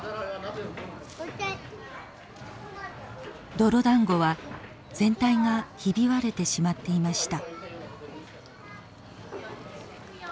泥だんごは全体がひび割れてしまっていました。